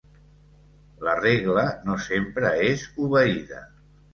La regla no sempre és obeïda.